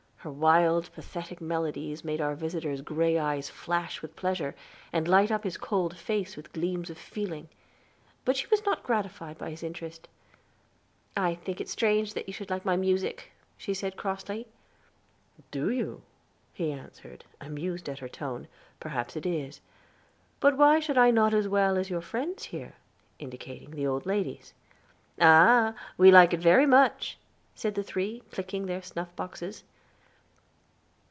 Her wild, pathetic melodies made our visitor's gray eyes flash with pleasure, and light up his cold face with gleams of feeling; but she was not gratified by his interest. "I think it strange that you should like my music," she said crossly. "Do you" he answered, amused at her tone, "perhaps it is; but why should I not as well as your friends here?" indicating the old ladies. "Ah, we like it very much," said the three, clicking their snuff boxes.